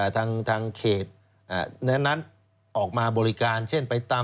ทางเขตนั้นออกมาบริการเช่นไปตาม